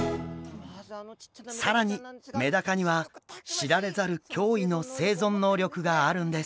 更にメダカには知られざる驚異の生存能力があるんです。